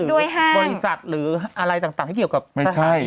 หรือบริษัทหรืออะไรต่างที่เกี่ยวกับทหารี